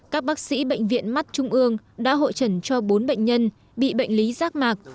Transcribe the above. các bác sĩ bệnh viện mắt trung ương đã hội trần cho bốn bệnh nhân bị bệnh lý rác mạc